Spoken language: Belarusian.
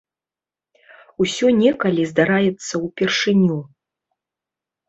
Усё некалі здараецца ўпершыню.